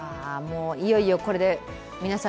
いよいよこれで皆さん